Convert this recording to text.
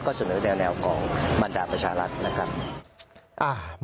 ก็เสนอแนวของบรรดาประชารัฐนะครับ